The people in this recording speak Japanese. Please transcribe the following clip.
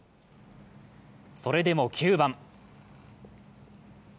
それでも、９番。